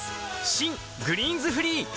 新「グリーンズフリー」